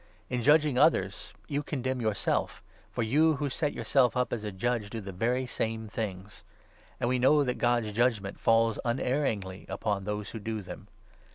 In judging others you condemn yourself, for you who set yourself up as a judge do the very same things. And we know that 2 God's judgement falls unerringly upon those who do them.